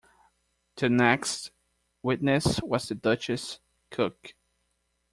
The next witness was the Duchess’s cook.